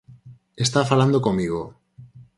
Está falando comigo.